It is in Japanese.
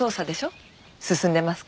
進んでますか？